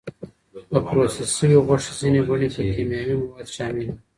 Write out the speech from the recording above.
د پروسس شوې غوښې ځینې بڼې کې کیمیاوي مواد شامل وي.